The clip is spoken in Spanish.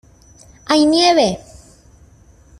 ¡ hay nieve!